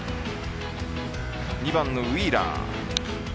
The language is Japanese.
２番のウィーラー。